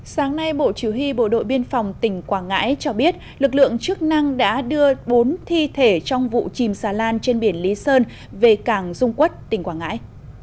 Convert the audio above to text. sáng nay bộ chủ hy bộ đội biên phòng tỉnh quảng ngãi cho biết lực lượng chức năng đã đưa bốn thi thể trong vụ chìm xà lan trên biển lý sơn về càng dung quất tỉnh quảng ngãi